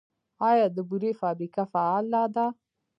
آیا د بورې فابریکه فعاله ده؟